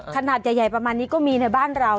ขนาดใหญ่ประมาณนี้ก็มีในบ้านเรา